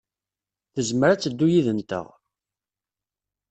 Tezmer ad teddu yid-nteɣ.